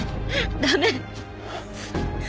駄目。